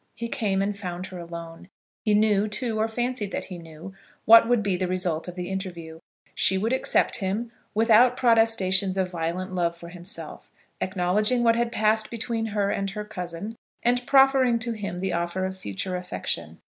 He came and found her alone. He knew, too, or fancied that he knew, what would be the result of the interview. She would accept him, without protestations of violent love for himself, acknowledging what had passed between her and her cousin, and proffering to him the offer of future affection.